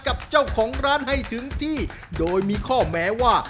กับเจ้าของร้านให้ถึงที่โดยมีข้อแม้ว่า